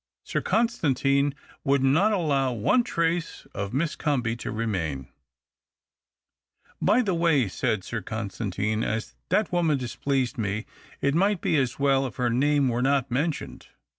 Sir Constantine would not allow one trace of Miss Comby to remain, " By the way," said Sir Constantine, " as that woman displeased me, it might be as well if her name were not mentioned.